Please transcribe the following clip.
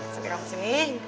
sampai kamu sini